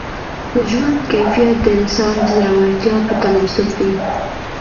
د ژوند کیفیت د انسان د زړورتیا په تناسب دی.